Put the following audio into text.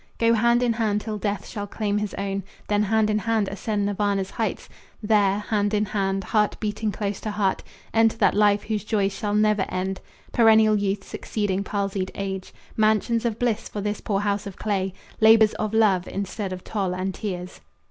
Go hand in hand till death shall claim his own, Then hand in hand ascend Nirvana's heights, There, hand in hand, heart beating close to heart, Enter that life whose joys shall never end, Perennial youth succeeding palsied age, Mansions of bliss for this poor house of clay, Labors of love instead of toil and tears."